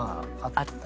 あったり？